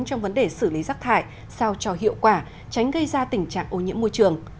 trong vấn đề xử lý rác thải sao cho hiệu quả tránh gây ra tình trạng ô nhiễm môi trường